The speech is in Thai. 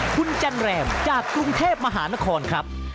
คุณจันแรมจากกรุงเทพมหานครครับ